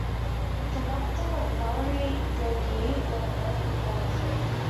Conductor Valery Gergiev led both performances.